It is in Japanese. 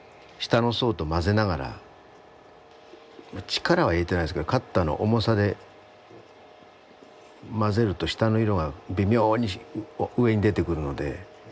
力は入れてないですけどカッターの重さで混ぜると下の色が微妙に上に出てくるので。